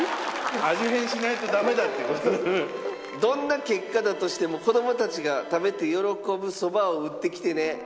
「どんな結果だとしても子供達が食べてよろこぶそばをうってきてね！！」